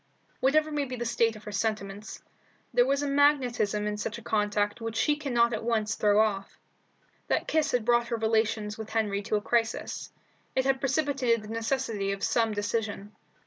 Whatever may be the state of her sentiments, there is a magnetism in such a contact which she cannot at once throw off. That kiss had brought her relations with Henry to a crisis. It had precipitated the necessity of some decision.